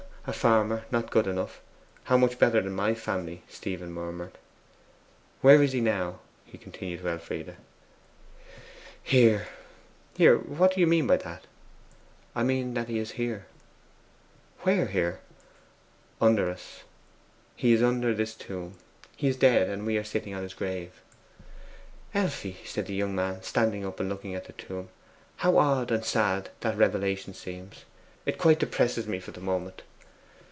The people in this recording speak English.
'A farmer not good enough how much better than my family!' Stephen murmured. 'Where is he now?' he continued to Elfride. 'HERE.' 'Here! what do you mean by that?' 'I mean that he is here.' 'Where here?' 'Under us. He is under this tomb. He is dead, and we are sitting on his grave.' 'Elfie,' said the young man, standing up and looking at the tomb, 'how odd and sad that revelation seems! It quite depresses me for the moment.